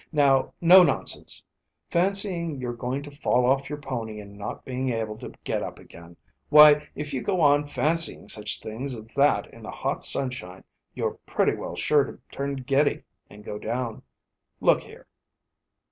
Now, no nonsense! Fancying you're going to fall off your pony and not being able to get up again! Why, if you go on fancying such things as that in the hot sunshine, you're pretty well sure to turn giddy and go down. Look here."